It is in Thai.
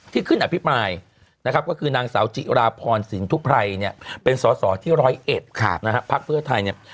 ที่ขึ้นอภิปรายก็คือนางสาวจิราพรศิลป์ทุพรัยเป็นสอสอที่๑๐๑ภักดิ์เฟื้อไทย